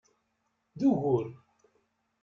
D ugur!